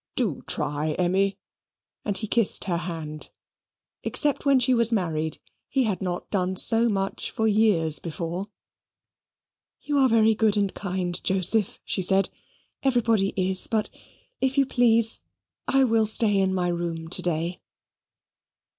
Do try, Emmy," and he kissed her hand. Except when she was married, he had not done so much for years before. "You are very good and kind, Joseph," she said. "Everybody is, but, if you please, I will stay in my room to day."